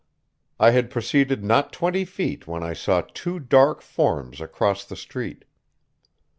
I had proceeded not twenty feet when I saw two dark forms across the street.